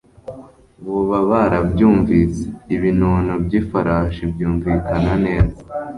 Boba barabyumvise? Ibinono by'ifarashi byumvikana neza;